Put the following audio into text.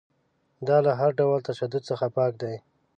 دا له هر ډول تشدد څخه پاک دی.